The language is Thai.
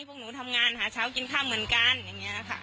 พวกหนูทำงานหาเช้ากินข้ามเหมือนกัน